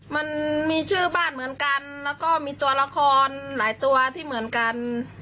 มันมีชื่อบ้านเหมือนกันแล้วก็มีตัวละครหลายตัวที่เหมือนกัน